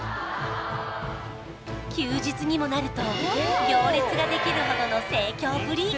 休日にもなると行列ができるほどの盛況ぶり